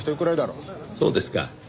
そうですか。